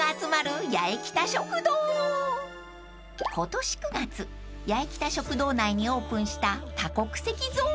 ［今年９月八重北食堂内にオープンした多国籍ゾーン］